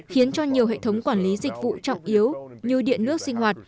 khiến cho nhiều hệ thống quản lý dịch vụ trọng yếu như điện nước sinh hoạt